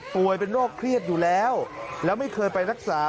เป็นโรคเครียดอยู่แล้วแล้วไม่เคยไปรักษา